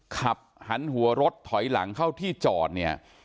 ขับหันหัวรถถอยหลังเข้าที่จอดเนี่ย